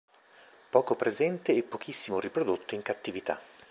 Poco presente e pochissimo riprodotto in cattività.